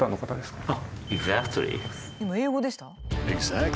今英語でした？